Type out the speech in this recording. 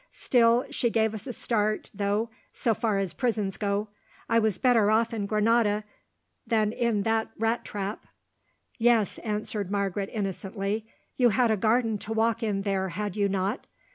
Still, she gave us a start, though, so far as prisons go, I was better off in Granada than in that rat trap." "Yes," answered Margaret innocently, "you had a garden to walk in there, had you not?